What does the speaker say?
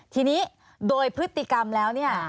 ทีนี้โดยพฤติกรรมแล้วเนี่ย